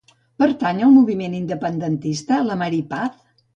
Pertany al moviment independentista la Mari Paz?